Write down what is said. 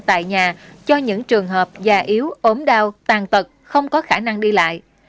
tại nhà cho những trường hợp già yếu ốm đau tàn tật không có khả năng đi lại